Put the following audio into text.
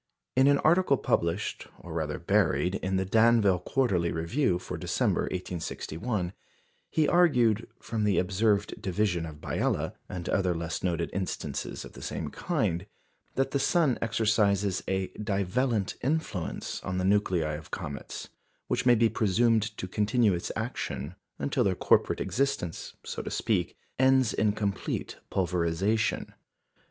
In an article published, or rather buried, in the Danville Quarterly Review for December, 1861, he argued, from the observed division of Biela, and other less noted instances of the same kind, that the sun exercises a "divellent influence" on the nuclei of comets, which may be presumed to continue its action until their corporate existence (so to speak) ends in complete pulverisation.